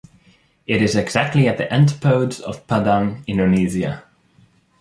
It is exactly at the antipodes of Padang, Indonesia.